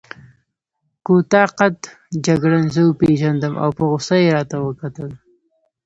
کوتاه قد جګړن زه وپېژندم او په غوسه يې راته وکتل.